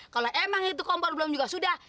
kalau emang itu kompor belum juga sudah